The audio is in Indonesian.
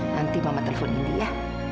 nanti mama telepon indi ya